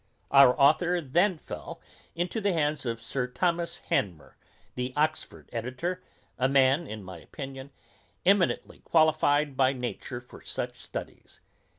Our authour fell then into the hands of Sir Thomas Hanmer, the Oxford editor, a man, in my opinion, eminently qualified by nature for such studies.